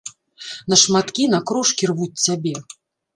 На шматкі, на крошкі рвуць цябе.